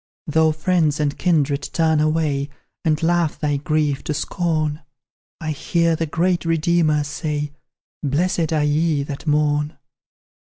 Though friends and kindred turn away, And laugh thy grief to scorn; I hear the great Redeemer say, "Blessed are ye that mourn."